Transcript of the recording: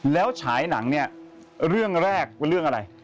แล้วฉายหนังเนี่ยเรื่องแรกเป็นเรื่องอะไร